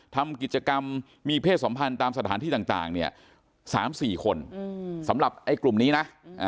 ทำกิจกรรมมีเพศสัมพันธ์ตามสถานที่ต่างเนี่ย๓๔คนสำหรับไอ้กลุ่มนี้นะ